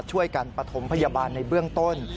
ช่วยกันปฐมพยาบาลในเบื้องต้น